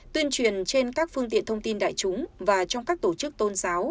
tuyên truyền trên các phương tiện thông tin đại chúng và trong các tổ chức tôn giáo